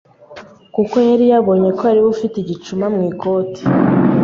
Kuko yari yabonye ko ariwe ufite igicuma mwikoti